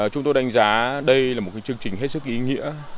chúng tôi đánh giá đây là một chương trình hết sức ý nghĩa